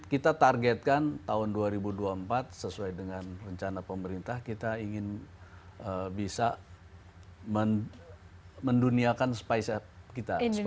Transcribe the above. kita targetkan tahun dua ribu dua puluh empat sesuai dengan rencana pemerintah kita ingin bisa menduniakan spicep kita